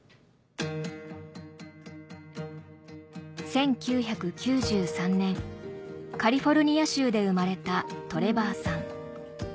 １９９３年カリフォルニア州で生まれたトレバーさん